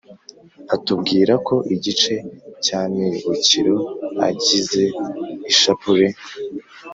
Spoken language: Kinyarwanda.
atubwira ko igice cy’amibukiro agize ishapule